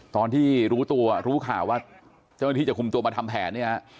ตอนที่รู้ตัวรู้ข่าวว่าเจ้าหน้าที่จะคุมตัวมาทำแผนเนี่ยฮะ